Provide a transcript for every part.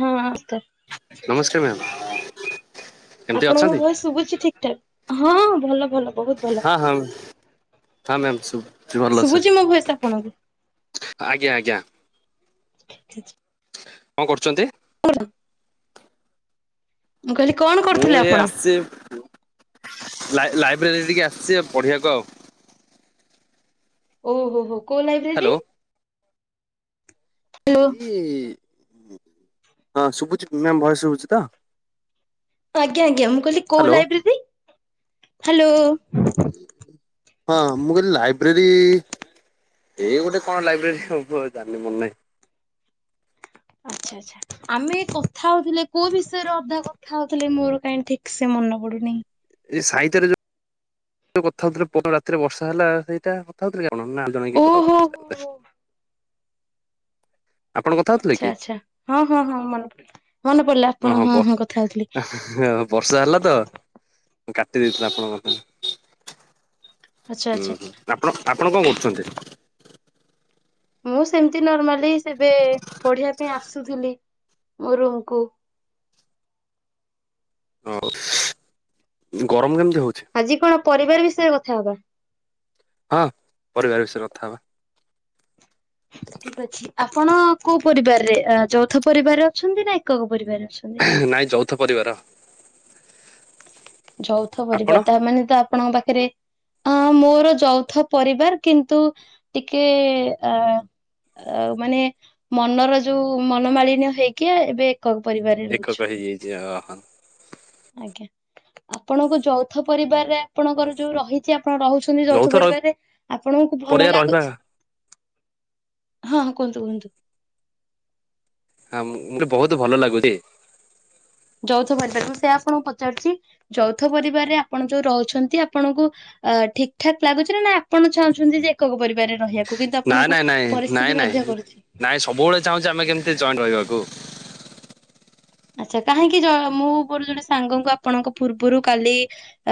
ହଁ [unintelligible] ନମସ୍କାର ମ୍ୟାମ୍ କେମିତି ଅଛନ୍ତି? ଆପଣଙ୍କୁ ଭୟସ ଶୁଭୁଛି ଠିକ ଠାକ୍। ହଁ ଭଲ ଭଲ। ବହୁତ ଭଲ। ହଁ ହଁ। ହଁ ମ୍ୟାମ ଶୁ ଶୁବୁଚି ମୋ ଭଏସ ଆପଣଙ୍କୁ। ଆଜ୍ଞା ଆଜ୍ଞା [unintelligible] କଣ କରୁଚନ୍ତି? ବ ମୁଁ କହିଲି କଣ ମୁଁ କରୁଥିଲେ ଏ ଆପଣ? ଲା-ଲାଇବ୍ରେରୀ ଟିକେ ଆସିଚି ପଢ଼ିବାକୁ ଆଉ। ଓ ହୋ ହୋ। କୋଉ ଲାଇବ୍ରେରୀ ହ୍ୟାଲୋ। ହାଲୋ। ଏଇ ହଁ ଶୁବୁଚି ମ୍ୟାାମ ଭଏସ ଶୁବୁଚି ତ। ଆଜ୍ଞା ଆଜ୍ଞା। କହିଲ କୋଉ ହ୍ୟାଲୋ। ଲାଇବ୍ରେରୀ? ହାଲୋ। ଁ [inaudible] ହଁ ମୁଁ କଇଲି ଲାଇ ବ୍ରେରି ଏଇ ଗୋଟେ କଣ ଲାଇବ୍ରେରୀ ହବ ଜାଣିନି ମନେ ନାହିଁ। ଆଚ୍ଛା ଆଚ୍ଛା ଆମେ କଥା ହଉଥିଲେ କୋଉ ବିଷୟରେ ଅଧା କଥା ହଉଥିଲେ ମୋର କାହିଁକି ଠିକ ସେ ମନେ ପଡୁନି। ଏ ସାହିତ୍ୟରେ ଯୋଉ କଥା ହଉଥୁଲେ ପ ଦିନ ରାତିରେ ବର୍ଷା ହେଲା ସେଇଟା କଥା ହଉଥିଲେ ଅନନ୍ୟ ଆ [unintelligible] ଓହୋ ହୋ ଆଚ୍ଛା କି? ଆଚ୍ଛା ହଁ ହଁ ହଁ ମନେ ମନେ ପଇଲା ଆପଣ ହଁ ହଁ କଥା ବର୍ଷା ହେଲା ତ ହଉଥୁଲି। କାଟି ଦେଇେଇଥିଲା ଆପଣଙ୍କ ଆଚ୍ଛା ହୁଁ ଆଚ୍ଛା। ହୁଁ ଆପଣ ଆପଣ କଣ କରୁଛନ୍ତି? ମୁଁ ସେମିତି ନର୍ମାଲି ଏବେ ପଢିବା ପାଇଁ ଆସୁଥିଲି ମୋ ରୁମକୁ। ହଉ ଗରମ କେ ଆଜି କଣ ପରିବାର ବିଷୟରେ କଥା ହବା। ହଁ ପରିବାର ବିଷୟରେ କଥା ହବା। ଠିକ ଅଛି ଆପଣ କୋଉ ପରିବାରରେ ଚଉଥ ପରିବାରରେ ଅଛନ୍ତି ନା ଏକକ ପରିବାର ନାଇଁ ଯୌଥ ପରିବାର। ଯୌଥ ଆପଣ ପରିବା ତା ମାନେ ତ ଆପଣଙ୍କ ପାଖରେ ରେ ଅ ମୋର ଯୌଥ ପରିବାର କିନ୍ତୁ ଟିକେ ଅ ମାନେ ମନର ଯୋଉ ମନମାଳିନ ହେଇକିଆ ଏବେ ପରିବାରରେ ରହୁଛୁ। ହଁ। ଆଜ୍ଞା ଆପଣଙ୍କ ଯୌଥ ପରିବାରରେ ଆପଣଙ୍କର ଯୋଉ ରହିଛି ଆପଣ ରହୁଛନ୍ତି ଯୌଥ ପରିବାରରେ ଆପଣଙ୍କୁ ଭଲ ପରିବାର ରହିବା ଲାଗୁଛି ହଁ କୁହନ୍ତୁ କୁହନ୍ତୁ। ହଁ ମତେ ବହୁତ ଭଲ ଲାଗୁଛି। ଯୌଥ ପରିବାରକୁ ସେ ଆପଣଙ୍କୁ ପଚାରୁଛି ଯୌଥ ପରିବାରରେ ଆପଣ ଯୋଉ ରହୁଛନ୍ତି ଆପଣଙ୍କୁ ଅ ଠିକ ଠାକ୍ ଲାଗୁଛି ନା ନା ଆପଣ ଚାହୁଁଛନ୍ତି ଯେ ଏକକ ପରିବାର। ନାଇଁ ନାଇଁ ନାଇଁ ନାଇଁ ବାଧ୍ୟ ନାଇଁ କରୁଛି। ନାଇଁ ସବୁବେଳେ ଚାହୁଁଛି ଆମେ କେମିତି ଜଏଣ୍ଟ୍ ରହିବାକୁ। ଆଚ୍ଛା କାହିଁକି ମୁଁ ମୋର ଜଣେ ସାଙ୍ଗଙ୍କୁ ଆପଣଙ୍କ ପୂର୍ବରୁ କାଲି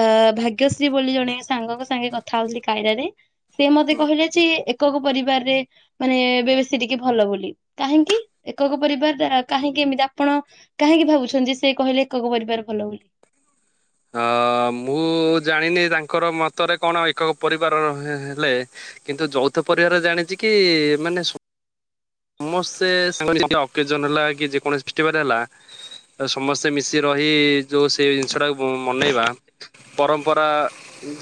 ଅ ଭାଗ୍ୟଶ୍ରୀ ବୋଲି ଜଣେ ସାଙ୍ଗଙ୍କ ସାଙ୍ଗେ କଥା ହଉଥିଲି କାଇରାରେ ସେ ମତେ କହିଲେ ଯେ ଏକକ ପରିବାରରେ ମାନେ ଏ ବେଶୀ ଟିକେ ଭଲ ବୋଲି କାହିଁକି ଏକକ ପରିବାର କାହିଁକି ଏମିତି ଆପଣ କାହିଁକି ଭାବୁଛନ୍ତି ସେ କହିଲେ ଏକକ ପରିବାର ଭଲ ବୋଲି। ଅ ମୁଁ ଜାଣିନି ତାଙ୍କର ମତରେ କଣ ଏକକ ପରିବାରର ହେଲେ କିନ୍ତୁ ଯୌଥ ପରିବାର ଜାଣିଛି କି ମାନେ ସମସ୍ତେ ସାଙ୍ଗହେଇ ଅକେଜନ୍ ହେଲା କି ଯେକୌଣସି ଫେଷ୍ଟିଭାଲ ହେଲା ସମସ୍ତେ ମିଶି ରହି ଯୋଉ ସେ ଜିନିଷ ଟାକୁ ମନେଇବା ପରମ୍ପରା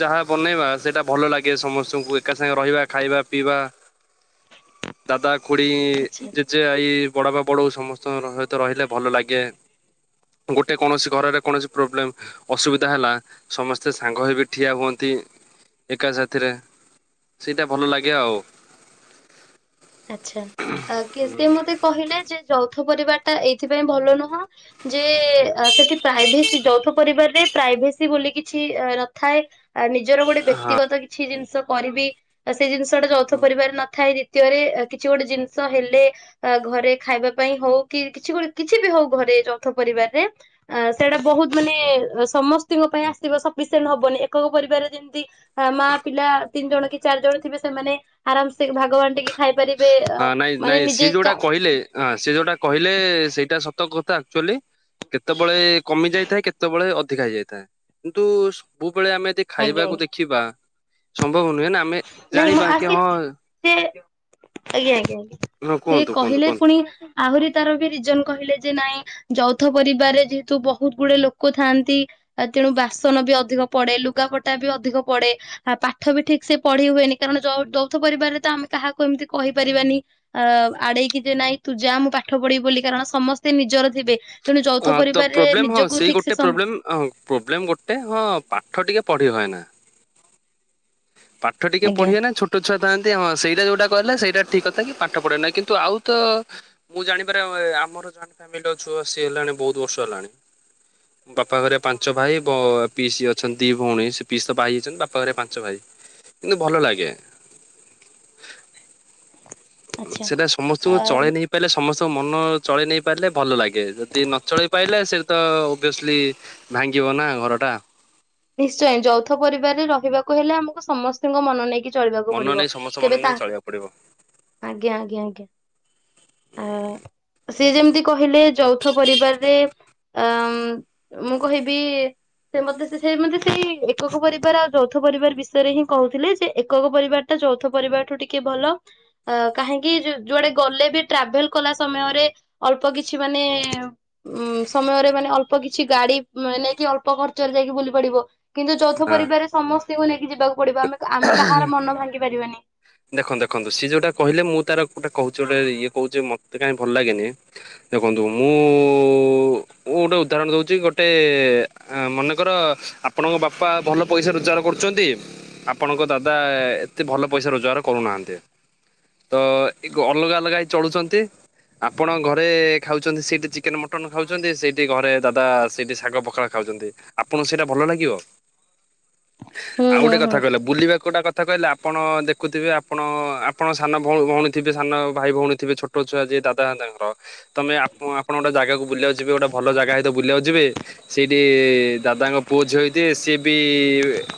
ଯାହା ବନେଇବା ସେଇଟା ଭଲ ଲାଗେ ସମସ୍ତଙ୍କୁ ଏକା ସାଙ୍ଗେ ରହିବା ଖାଇବା ପିଇବା ଦାଦା ଖୁଡି ଆଚ୍ଛା ଜେଜେ ଆଇ ବଡ ବାପା ବଡ଼ବୋଉ ସମସ୍ତଙ୍କ ସହିତ ରହିଲେ ଭଲ ଲାଗେ ଗୋଟେ କୌଣସି ଘରରେ କୌଣସି ପ୍ରୋବ୍ଲେମ୍ ଅସୁବିଧା ହେଲା ସମସ୍ତେ ସାଙ୍ଗ ହୋଇ ବି ଠିଆ ହୁଅନ୍ତି ଏକା ସାଥିରେ ସେଇଟା ଭଲ ଲାଗେ ଆଉ। ଆଚ୍ଛା କି ସେ ମତେ କହିଲେ ଯେ ଯୌ ଯୌଥ ପରିବାର ଟା ଏଇଥିପାଇଁ ଭଲ ନୁହଁ ଯେ ସେଠି ପ୍ରାଇଭେସି ଯୌଥ ପରିବାରରେ ପ୍ରାଇଭେସି ବୋଲି କିଛି ନଥାଏ ଆ ନିଜର ଗୋଟେ ହଁ। ବ୍ୟକ୍ତିଗତ କିଛି ଜିନିଷ କରିବି ସେଇ ଜିନିଷଟା ଯୌଥ ପରିବାରରେ ନଥାଏ ଯେ ଦ୍ୱିତୀୟରେ କିଛି ଗୋଟେ ଜିନିଷ ହେଲେ ଘରେ ଖାଇବା ପାଇଁ ହଉ କି କିଛି ଗୋଟେ କିଛି ବି ହଉ ଘରେ ଯୌଥ ପରିବାରରେ ଅ ସେଇଟା ବହୁତ ମାନେ ସମସ୍ତଙ୍କ ପାଇଁ ଆସିବ ସଫିସିଏଣ୍ଟ ହବନି ଏକକ ପରିବାରରେ ଯେମିତି ମା ପିଲା ତିନି ଜଣ କି ଚାରି ଜଣ ଥିବେ ସେମାନେ ଆରାମସେ ଭାଗ ବାଣ୍ଟିକି ହଁ ନାଇଁ ନାଇଁ ସିଏ ଯୋଉଟା କହିଲେ ସିଏ ଯୋଉଟା କହିଲେ ସେଇଟା ସତ କଥା ଆକଚୁଆଲି କେତେବେଳେ କମି ଯାଇଥାଏ କେତେବେଳେ ଅଧିକା ହେଇଯାଇଥାଏ କିନ୍ତୁ ସବୁ ଯେତେବେଳେ ଆମେ ଯଦି ଆଜ୍ଞା ଖାଇବାକୁ ଆଜ୍ଞା ଦେଖିବା ସମ ସମ୍ଭବ ନୁହେଁ ନା ଆମେ ନାଇଁ ମୁଁ ଜାଣିବା କି ଆସି ହଁ ସେ ହଁ [inaudible] ସେ କୁହନ୍ତୁ କୁହନ୍ତୁ କହିଲେ କୁହନ୍ତୁ। ପୁଣି ଆହୁରି ତାର ବି ରିଜନ୍ କହିଲେ ଯେ ନାଇଁ ଯୌଥ ପରିବାରରେ ଯେହେତୁ ବହୁତ ଗୁଡେ ଲୋକ ଥାଆନ୍ତି ତେଣୁ ବାସନ ବି ଅଧିକ ପଡେ ଲୁଗାପଟା ବି ଅଧିକ ପଡେ ଆ ପାଠ ବି ଠିକ୍ ସେ ପଢି ହୁଏନି କାରଣ ଯୌ ଯୌଥ ପରିବାରରେ ତ ଆମେ କାହାକୁ ଏମିତି କହିପାରିବାନି ଅ ଆଡେଇକି ଯେ ନାଇଁ ତୁ ଯା ମୁଁ ପାଠ ପଢିବି ବୋଲି କାରଣ ସମସ୍ତେ ନିଜର ଥିବେ। ତେଣୁ ଯୌଥ ହଁ ତ ପରିବାରରେ ପ୍ରୋବ୍ଲେମ୍ ହଁ ନିଜକୁ ସେଇ ଠିକ ସେ ଗୋଟେ ସମ ପ୍ରୋବ୍ଲେମ୍ ହଁ ପ୍ରୋବ୍ଲେମ୍ ଗୋଟେ ହଁ ପାଠ ଟିକେ ପଢି ହଏନା। ପାଠ ଟିକେ ଆଜ୍ଞା ପଢିବେନା ଛୋଟ [inaudible] ଆ ଥାଆନ୍ତି ହଁ ସେଇଟା ଯୋଉଟା କହିଲେ ସେଇଟା ଠିକ୍ କଥା କି ପାଠ ପଢେନା କିନ୍ତୁ ଆଉ ତ ମୁଁ ଜାଣିପାରେ ଆମର ଜଏଣ୍ଟ୍ ଫ୍ୟାମିଲିରେ ଅଛୁ ଆସି ହେଲାଣି ବହୁତ ବର୍ଷ ହେଲାଣି, ବାପା ହେରିକା ପାଞ୍ଚ ଭାଇ ଭଅ ପିଇସୀ ଅଛନ୍ତି ଦି ଭଉଣୀ ସେ ପିଇସୀ ତ ବାହା ହେଇଯାଇଛନ୍ତି ବାପା ହେରିକା ପାଞ୍ଚ ଭାଇ। କିନ୍ତୁ ଭଲ ଲାଗେ। ଆଚ୍ଛା ସେଟା ସମସ୍ତଙ୍କୁ ଆ ଚଳେଇ ନେଇ ପାଇଲେ ସମସ୍ତ୍ ତ ମନ ଚଳେଇ ନେଇ ପାରିଲେ ଭଲ ଲାଗେ ଯଦି ନ ଚଳେଇ ପାରିଲେ ସେଠିତ ଓଭିୟସଲି ଭାଙ୍ଗିବ ନା ଘରଟା ନିଶ୍ଚୟ, ଯୌଥ ପରିବାରରେ ରହିବାକୁ ହେଲେ ଆମକୁ ସମସ୍ତଙ୍କ ମନ ନେଇକି ଚଳିବାକୁ ମନ ପଡିବ ନେଇ ସମସ୍ତ ମନ କେବେ ତାଁ ନେଇ ଚଳିବାକୁ ପଡିବ ଆଜ୍ଞା ଆଜ୍ଞା ଆଜ୍ଞା ଆ ସେ ଯେମିତି କହିଲେ ଯୌଥ ପରିବାରରେ ଅ ଅ ଅମ୍ ମୁଁ କହିବି ସେ ମତେ ସି ସେ ମତେ ସେଇ ଏକକ ପରିବାର ଆଉ ଯୌଥ ପରିବାର ବିଷୟରେ ହିଁ କହୁଥିଲେ ଯେ ଏକକ ପରିବାରଟା ଯୌଥ ପରିବାରଠୁ ଟିକେ ଭଲ ଅ କାହିଁକି ଯୁଆଡେ ଗଲେ ବି ଟ୍ରାଭେଲ କଲା ସମୟରେ ଅଳ୍ପ କିଛି ମାନେ ଉଁ ଉଁ ସମୟରେ ମାନେ ଅଳ୍ପ କିଛି ଗାଡି ନେଇକି ଅଳ୍ପ ଖର୍ଚ୍ଚରେ ଯାଇକି ବୁଲି ପଡିବ। କିନ୍ତୁ ଯୌଥ ହଁ। ପରିବାରରେ ସମସ୍ତ୍ [unintelligible] ଯିବାକୁ ପଡିବ ଆମେ ଆମେ କାହାର ମନ ଭାଙ୍ଗି ପାରିବାନି। ଦେଖନ୍ତୁ ଦେଖନ୍ତୁ ସିଏ ଯୋଉଟା କହିଲେ ମୁଁ ତାର ଗୋଟେ କହୁଛି ଗୋଟେ ଇଏ କହୁଛି ମତେ କାହିଁ ଭଲ ଲାଗେନି, ଦେଖନ୍ତୁ ମୁଁଉଉ ମୁଁ ଗୋଟେ ଉଦାହରଣ ଦଉଛି ଗୋଟେ ମନେକର ଆପଣଙ୍କ ବାପା ଭଲ ପଇସା ରୋଜଗାର କରୁଛନ୍ତି ଆପଣଙ୍କ ଦାଦା ଏତେ ଭଲ ପଇସା ରୋଜ୍ ଗାର କରୁ ନାହାନ୍ତି, ତ ଏ ଅଲଗା ଅଲଗା ହେଇ ଚଳୁଛନ୍ତି, ଆପଣ ଘରେ ଖାଉଛନ୍ତି ସେଇଠି ଚିକେନ୍ ମଟନ୍ ଖାଉଛନ୍ତି ସେଇଠି ଘରେ ଦାଦା ସେଇଠି ଶାଗ ପଖାଳ ଖାଉଛନ୍ତି, ଆପଣଙ୍କୁ ସେଇଟା ଭଲ ଲାଗିବ? ହୁଁ ଆଉ ହୁଁ ଗୋଟେ ହୁଁ କଥା କହିଲ ବୁଲିବାକୁ ଗୋଟେ କଥା କହିଲା। ଆପଣ ଦେଖ୍ ଦେଖୁଥିବେ ଆପଣ ଆପଣ ସାନ ଭଉ ଭଉଣୀ ଥିବେ ସାନ ଭାଇ ଭଉଣୀ ଥିବେ ଛୋଟ ଛୁଆ ଯିଏ ଦାଦା ତାଙ୍କର ତମେ ଆପ୍ ଆପଣ ଗୋଟେ ଜାଗାକୁୁ ବୁଲିବାକୁ ଯିବେ ଭଲ ଜାଗା ହେଇଥିବ ବୁଲିବାକୁ ଯିବେ ସେଇଠିଇଇ ଦାଦାଙ୍କ ପୁଅ ଝିଅ ହେଇଥିବେ ସିଏ ବି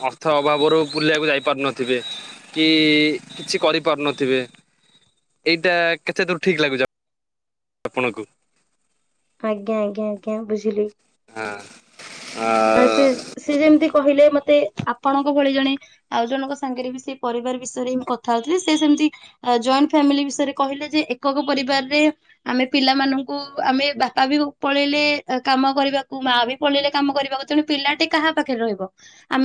ଅର୍ଥ ଅଭାବରୁ ବୁଲିବାକୁ ଯାଇ ପାରୁନଥିବେ କି କିଇଇ କିଛି କରିପାରୁନଥିବେ ଏଇଟା କେତେ ଦୂର୍ ଠିକ୍ ଲାଗୁଛି ଆ ଆପଣଙ୍କୁ। ଆଜ୍ଞା ଆଜ୍ଞା ଆଜ୍ଞା ବୁଝିଲି। ହାଁ। ଆ ସେ ସେ ଯେମିତି କହିଲେ। ମତେ ଆପଣଙ୍କ ଭଳି ଜଣେ ଆଉ ଜଣଙ୍କ ସାଙ୍ଗରେ ବି ସେ ପରିବାର ବିଷୟରେ ହିଁ ମୁଁ କଥା ହଉଥିଲି ସେ ସେମତି ଜଏଣ୍ଟ୍ ଫ୍ୟାମିଲି ବିଷୟରେ କହିଲେ ଯେ ଏକକ ପରିବାରରେ ଆମେ ପିଲାମାନଙ୍କୁ ଆମେ ବାପା ବି ହଉ ପଳେଇଲେ କାମ କରିବାକୁ ମା ବି ପଳେଇଲେ କାମ କରିବାକୁ [inaudible] ତେଣୁ ପିଲାଟି କାହା ପାଖରେ ରହିବ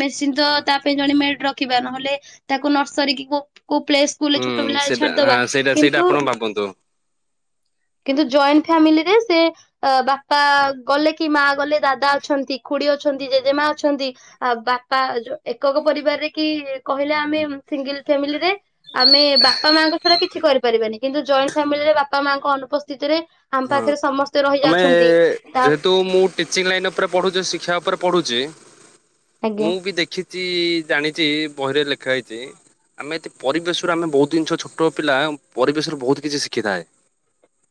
ନିଶ୍ଚିତ ତାପାଇଁ ଜଣେ ମେଡ୍ ରଖିବା ନହେଲେ ତାକୁ ନର୍ସରୀ କି କୋଉ କୋଉ ପ୍ଲେ ସ୍କୁଲରେ ହୁଁ ଛୋଟ ପିଲାବେଳେ ସେଇଟା ହଁ ଛାଡିଦବା ସେଇଟା ସେଇଟା କିନ୍ତୁ ଆପଣ ଭାବନ୍ତୁ। କିନ୍ତୁ ଜଏଣ୍ଟ୍ ଫ୍ୟାମିଲିରେ ସେ ବାପା ଗଲେ କି ମା ଗଲେ ଦାଦା ଅଛନ୍ତି। ଖୁଡ଼ି ଅଛନ୍ତି ଜେଜେମା ଅଛନ୍ତି ଆ ବାପା ଯୋ ଏକକ ପରିବାରରେ କି କହିଲେ ଆମେ ସିଙ୍ଗଲ୍ ଫ୍ୟାମିଲିରେ ଆମେ ବାପା ମାଆଙ୍କ ଛଡା କିଛି କରିପାରିବାନି କିନ୍ତୁ ଜଏଣ୍ଟ୍ ଫ୍ୟାମିଲିରେ ବା ବାପା ମାଆଙ୍କ ଅନୁପସ୍ଥିତି ରେ ହଁ ଆମେ ତା ଯେହେତୁ ମୁଁ ଟିଚିଂ ଲାଇନରେ ପଢୁଚି ଶିକ୍ଷା ଉପରେ ପଡୁଛି ଆଜ୍ଞା ମୁଁ ବି ଦେଖି ଛି ଜାଣିଛି ବହିରେ ଲେଖା ହେଇଛି ଆମେ ଏତ ପରିବେଶରୁ ଆମେ ବହୁତ ଜିନିଷ ଛୋଟ ପିଲା ପରିବେଶରୁ ବହୁତ କିଛି ଶିଖିଥାଏ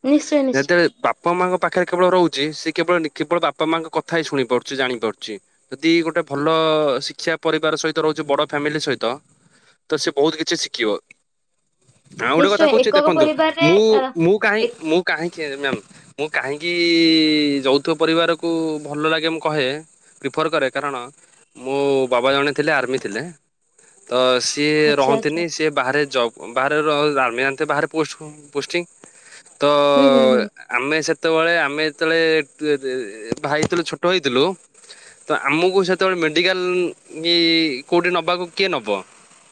ନିଶ୍ଚୟ ନିଶ୍ଚୟ ଯେତେଳେ ବା ବାପା ମାଆଙ୍କ ପାଖରେ କେବଳ ରହୁଛି ସ କେବଳ କେବଳ ବାପା ମାଆଙ୍କ କଥା ହିଁ ଶୁଣି ପାରୁଛି ଜାଣିପାରୁଛି ଯଦି ଗୋଟେ ଭଲ ଶିକ୍ଷା ପରିବାର ସହିତ ରହୁଛି ବଡ଼ ଫ୍ୟାମିଲି ସହିତ ତ ସି ବହୁତ କିଛି ଶିଖିବ ଆଉ ଗୋଟେ କଥା ନିଶ୍ଚୟ କହୁଛି ଏକକ ଦେଖନ୍ତୁ ପରିବାରରେ ମୁଁ ଅ ମୁଁ କାହିଁ ଏ ମୁଁ କାହିଁ ମ୍ୟାମ କାହିଁକି ଇ ଇ ଯୌତୁକ ପରିବାରକୁ ଭଲ ଲାଗେ ମୁଁ କହେ ପ୍ରିଫର୍ କରେ କାରଣ ମୋ ବାବା ଜଣେ ଥିଲେ ଆର୍ମି ଥିଲେ ତ ସିଏ ଆଚ୍ଛା ରହନ୍ତିନି ଆଚ୍ଛା ସିଏ ବାହାରେ ଯବ୍ ବାହାରେ ର ରାମେୟାନ୍ତେ ବାହାରେ ପୋଷ୍ଟିଙ୍ଗ ତ ହୁଁ ହୁଁ ହୁଁ ଅ ଆମେ ସେ ଯେତେବେଳେ ଆମେ ଯେତେବେଳେ ଟ୍ରେ ଭାଇଥିଲୁ ଛୋଟ ହେଇଥିଲୁ ତ ଆମକୁ ସେତେବେଳେ ମେଡିକାଲ କି କୋଉଠି ନବାକୁ କିଏ ନବ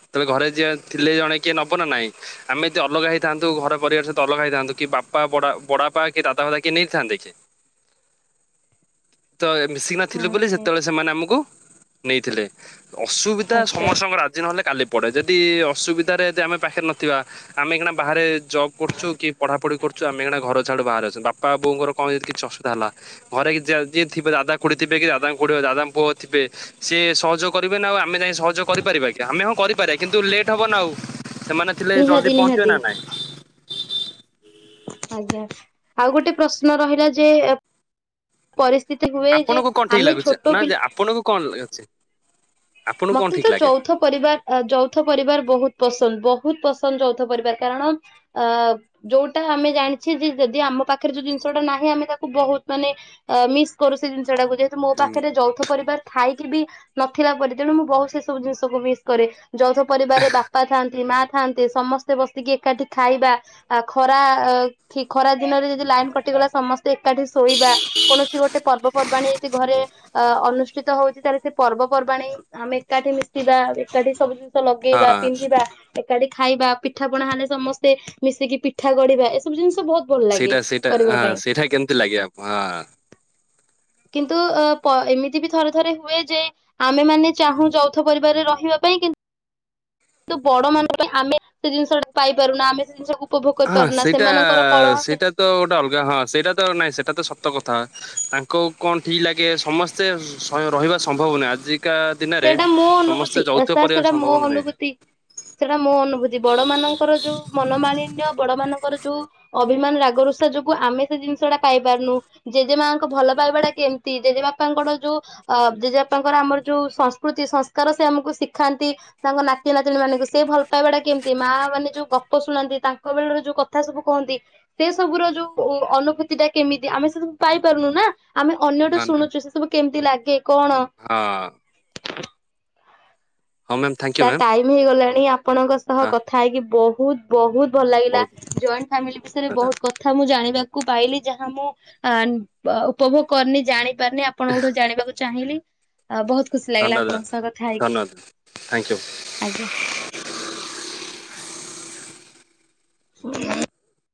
ସେତେବେଳେ ଘରେ ଯିଏ ଥିଲେ ଜଣେ କିଏ ନବ ନା ନାଇଁ ଆମେ ଅଲଗା ହେଇଥାନ୍ତୁ ଘର ପରିବାର ସହିତ ଅଲଗା ହେଇଥାନ୍ତୁ କି ବା ପା ବ-ବଡ଼ ବାପା କି ଦାଦା ଫାଦା କିଏ ନେଇଥାନ୍ତେ କି ସେ ତ ମିଶିକି ନଥିଲୁ ହଁ ବୋଲି ଆଜ୍ଞା ସେତେବେଳେ ସେମାନେ ଆମକୁ ନେଇଥିଲେ ଅସୁବିଧା ଆଚ୍ଛା ସମସ୍ତଙ୍କର ଆଜି ନହେଲେ କାଲି ପଡେ ଯଦି ଅସୁବିଧାରେ ଯଦି ଆମେ ପାଖରେ ନଥିବା ଆମେ ଏଇଖିଣା ବାହାରେ ଜବ୍ କରୁଛୁ କି ପଢାପଢି କରୁ ଛୁ ଆମେ ଏଇକିଣା ଘର ଛାଡୁ ବାହାରେ ଅଛୁ ବାପା ବୋଉଙ୍କର କଣ ଯଦି କିଛି ଅସୁବିଧା ହେଲା ଘରେଯିଏ କି ଥିବେ ଦାଦା ଖୁଡ଼ୀ ଥିବେ କି ଦାଦା ଖୁଡ଼ୀ କି ଦାଦାଙ୍କ ପୁଅ ଥିବେ ସିଏ ସହଯୋଗ କରିବେ ନା ଆଉ ଆମେ ଯାଇ ସହଯୋଗ କରିପାରିବା କି ଆମେ ହଁ କରିପାରିବା କିନ୍ତୁ ଲେଟ ହବ ନା ଆଉ ସେମାନେ ଥିଲେ ନିହାତି ଜଲଦି ପହଞ୍ଚିବେ ନିହାତି ନା ନାଇଁ ଆଜ୍ଞା ଆଉ ଗୋଟେ ପ୍ରଶ୍ନ ରହିଲା ଯେ ଏ ପରିସ୍ଥି ଆପଣଙ୍କୁ କଣ ଠିକ୍ ଲାଗୁଛି ନା ଯେ ଆପଣଙ୍କୁ କଣ ଲାଗୁଛି ଆପଣଙ୍କୁ କଣ ମତେ ଠିକ ତ ଲାଗେ? ଚୌଥ ପରିବାର ଯୌଥ ପରିବାର ବହୁତ ପସନ୍ଦ ବହୁତ ପସନ୍ଦ ଯୌଥ ପରିବାର କାରଣ ଅ ଯୋଉଟା ଆମେ ଜାଣିଛେ ଯେ ଯଦି ଆମ ପାଖରେ ଯୋଉ ଜିନିଷଟା ନାହିଁ ଆମେ ତାକୁ ବହୁତ ମାନେ ମିସ୍ କରୁ ସେ ଜିନିଷ ସେଇଟାକୁ ଯେହେତୁ ମୋ ହୁଁ ପାଖରେ ଯୌଥ ପରିବାର ଥାଇକି ବି ନଥିଲା ପରି ତେଣୁ ମୁଁ ବହୁତ ସେ ସବୁ ଜିନିଷକୁ ମିସ୍ କରେ ଯୌଥ ପରିବାରରେ ବାପା ଥାଆନ୍ତି ମା ଥାନ୍ତେ ସମସ୍ତେ ବସିକି ଏକାଠି ଖାଇବା ଆ ଖରା ଖରା ଦିନରେ ଯଦି ଲାଇନ କଟିଗଲା ସମସ୍ତେ ଏକାଠି ଶୋଇବା କୌଣସି ଗୋଟେ ପର୍ବପର୍ବାଣୀ ହେଇଛି ଘରେ ଅ ଅନୁଷ୍ଠିତ ହଉଛି ତାହେଲେ ସେ ପର୍ବପର୍ବାଣୀ ଆମେ ଏକାଠି ମିଶିବା ଏକାଠି ସବୁ ଜିନି ସ ଲଗେଇବା ହଁ। ପିନ୍ଧିବା ଏକାଠି ଖାଇବା ପିଠାପଣା ହେଲେ ସମସ୍ତେ ମିଶିକି ପିଠା ଗଢିବା ଏସବୁ ଜିନିଷ ବହୁତ ଭଲ ଲାଗେ ସେଇଟା ସେଇଟା କରିବା ହଁ ପାଇଁ ସେଇଟା କେମିତି ଲାଗେ ଆ ହଁ କିନ୍ତୁ ଅ ପ ଏମିତି ବି ଥରେ ଥରେ ହୁଏ ଯେ ଆମେମାନେ ଚାହୁଁ ଯୌଥ ପରିବାରରେ ରହିବା ପାଇଁ କିନ୍ତୁ କିନ୍ତୁ ବଡ ମାନଙ୍କ ପାଇଁ ଆମେ ସେ ଜିନିଷ ଟା ପାଇପାରୁନା ଆମେ ସେ ଜିନିଷକୁ ଉପଭୋଗ ହଁ କରିପାରୁନା ସେଇଟା ସେମାନଙ୍କର କଳହ ସେଇଟା ତ ଗୋଟେ ଅଲଗା ହଁ ସେଇଟା ତ ନାଇଁ ସେଇଟା ତ ସ ତ କଥା ତାଙ୍କ କଣ ଠିକ୍ ଲାଗେ ସମସ୍ତେ ରହିବା ସମ୍ଭବ ନୁହେଁ ଆଜି ସେଇଟା ମୋ ଅନୁଭୂତି ସାର୍ ପରିବାର ସେଇଟା ସମ୍ଭବ ମୋ ନୁହେଁ। ଅନୁଭୂତି ସେଇଟା ମୋ ଅନୁଭୂତି ବଡ ମାନଙ୍କର ଯୋଉ ମନମାଳିନ ବଡ ମାନଙ୍କର ଯୋଉ ଅଭିମାନ ରାଗରୁଷା ଯୋଗୁ ଆମେ ସେ ଜିନିଷ ଟା ପାଇ ପାରୁନୁ ଜେଜେ ମାଙ୍କ ଭଲ ପାଇବାଟା କେମିତି ଜେଜେବାପାଙ୍କର ଯୋଉ ଅ ଜେଜେବାପାଙ୍କର ଆମର ଯୋଉ ସଂସ୍କୃତି ସଂସ୍କାର ସେ ଆମକୁ ଶିଖାନ୍ତି ତାଙ୍କ ନାତି ନାତୁଣୀ ମାନଙ୍କୁ ସେ ଭଲ ପାଇବାଟା କେମିତି ମା ମାନେ ଯୋଉ ଗପ ଶୁଣନ୍ତି ତାଙ୍କ ବେଳରେ ଯୋଉ କଥା ସବୁ କହନ୍ତି ସେ ସବୁର ଯୋଉ ଅନୁଭୂତି ଟା କେମିତି ଆମେ ସେ ସବୁ ପାଇପାରୁନୁ ନା। ଆମେ ଅନ୍ୟଟୁ ହଁ ଶୁଣୁଛୁ ସେ ସବୁ କେମିତି ଲାଗେ କଣ ହଁ। ହଁ ma'am thank you sir ma'am time ହେଇଗଲାଣି ଆଉ। ଆପଣଙ୍କ ସହ ହଁ କଥା ହେଇକି ବହୁତ ବହୁତ ବହୁତ ଭଲ ଲାଗିଲା ବହୁତ ଜଏଣ୍ଟ ଫ୍ୟାମିଲି ବିଷୟରେ ଧନ୍ୟବାଦ ବହୁତ କଥା ମୁଁ ଜାଣି ପାଇଲି ଯାହା ମୁଁ ଉପଭୋଗ କରିନି ଜାଣିି ପାରନି ଆପଣ କୋଠୁ ଜାଣକୁ ଚାହିଁଲି ଁ [inaudible] ଆ ବହୁତ ଖୁସି ଲାଗିଲା ଆପଣଙ୍କ ସହ କଥା ହେଇକି। ଥ୍ୟାଙ୍କ ଆଜ୍ଞା। ୟୁ। ହ।